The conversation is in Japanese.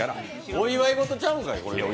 お祝い事ちゃうんか。